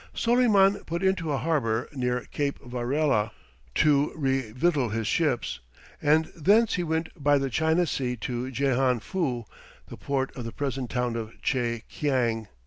Soleyman put into a harbour, near Cape Varella, to revictual his ships, and thence he went by the China Sea to Jehan fou the port of the present town of Tche kiang.